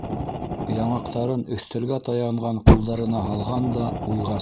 Яңаҡтарын өҫтәлгә таянған ҡулдарына һалған да уйға сумған.